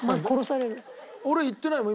俺言ってないもん。